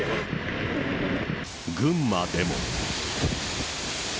群馬でも。